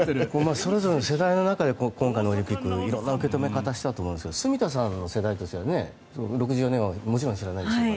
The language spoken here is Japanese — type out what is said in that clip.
それぞれの世代の中で今回のオリンピック色んな受け止め方したと思いますが住田さんの世代は６４年はもちろん知らないですから。